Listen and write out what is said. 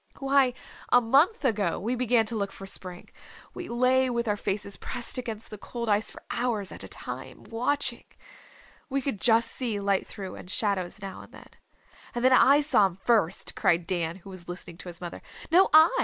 Why, a month ago we began to look for Spring. We lay with our faces pressed against the cold ice for hours at a time, watching. We could just see light through, and shadows now and then." "And then I saw him first," cried Dan, who was listening to his mother. "No, I!"